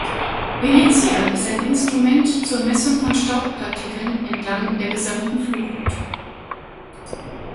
Venetia ist ein Instrument zur Messung von Staubpartikeln entlang der gesamten Flugroute.